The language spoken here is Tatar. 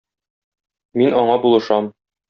мин аңа булышам.